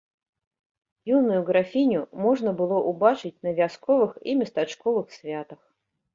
Юную графіню можна было ўбачыць на вясковых і местачковых святах.